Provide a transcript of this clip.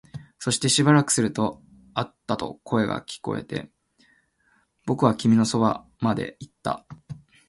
そしてしばらくすると、あったと声が聞こえて、僕は君のそばまで行った